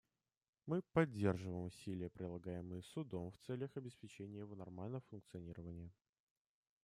Мы поддерживаем усилия, прилагаемые Судом в целях обеспечения его нормального функционирования.